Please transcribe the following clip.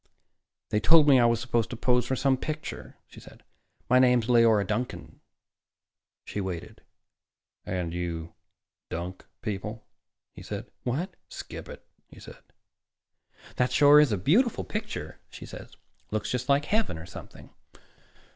"They told me I was supposed to pose for some picture," she said. "My name's Leora Duncan." She waited. "And you dunk people," he said. "What?" she said. "Skip it," he said. "That sure is a beautiful picture," she said. "Looks just like heaven or something."